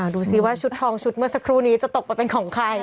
ดูสิว่าชุดทองชุดเมื่อสักครู่นี้จะตกไปเป็นของใคร